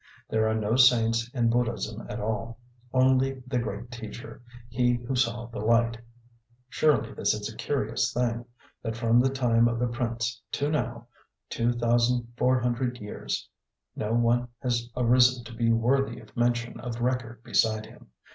There are no saints in Buddhism at all, only the great teacher, he who saw the light. Surely this is a curious thing, that from the time of the prince to now, two thousand four hundred years, no one has arisen to be worthy of mention of record beside him.